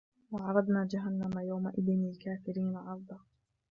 وَعَرَضْنَا جَهَنَّمَ يَوْمَئِذٍ لِلْكَافِرِينَ عَرْضًا